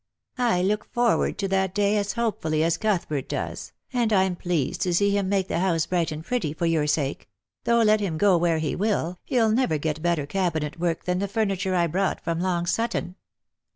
I look forward to that day as hopefully as Cuthbert does, and I'm pleased to see him make the house bright and pretty for your sake ; though let him go where he will, he'll never get better cabinet work than the furniture I brought from Long Sutton."